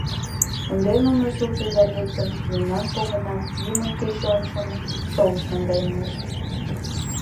Ынде нуно, сурт еда лектын, мемнан погынам юмын кече ончылно шолышт наҥгайынешт.